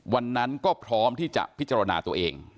วันนั้นก็พร้อมที่จะพิจารณาตัวเอง